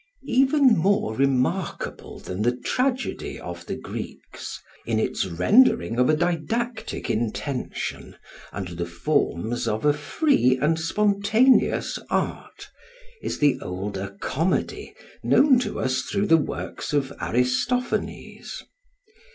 Even more remarkable than the tragedy of the Greeks, in its rendering of a didactic intention under the forms of a free and spontaneous art, is the older comedy known to us through the works of Aristophanes.